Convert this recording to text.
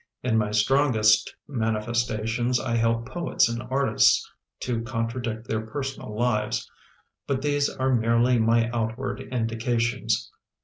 In my strongest manifestations I help poets and artists to contradict their personal lives. But these are merely my outward indications.